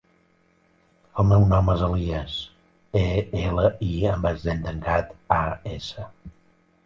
El meu nom és Elías: e, ela, i amb accent tancat, a, essa.